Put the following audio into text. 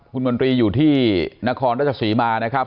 คุณมนตรีอยู่ที่นครราชศรีมานะครับ